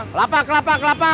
kelapa kelapa kelapa